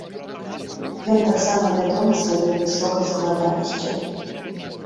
Ён таксама вядомы сваёй высокай складанасцю.